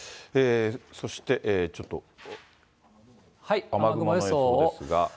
そして、ちょっと雨雲予想ですが。